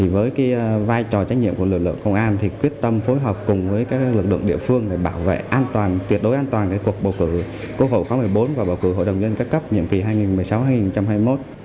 với vai trò trách nhiệm của lực lượng công an quyết tâm phối hợp cùng với các lực lượng địa phương để bảo vệ an toàn tuyệt đối an toàn cuộc bầu cử quốc hội khóa một mươi bốn và bầu cử hội đồng nhân các cấp nhiệm kỳ hai nghìn một mươi sáu hai nghìn hai mươi một